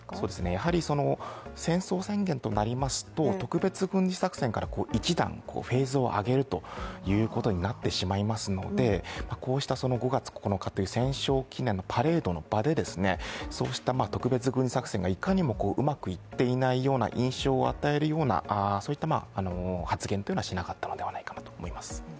やはり戦争宣言となりますと特別軍事作戦から一段フェーズを上げるということになってしまいますのでこうした５月９日という戦勝記念のパレードの場でそうした特別軍事作戦がいかにもうまくいっていないような印象を与えるようなそういった発言というのはしなかったのではないかなと思います。